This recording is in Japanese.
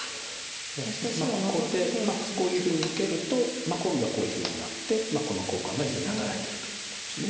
ここでこういうふうに受けると今度はこういうふうになってこの交換が非常に働いてるということです。